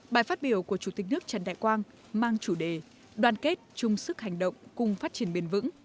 bài phát biểu của chủ tịch nước trần đại quang mang chủ đề đoàn kết chung sức hành động cùng phát triển bền vững